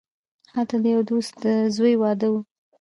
هلته د یوه دوست د زوی واده وو.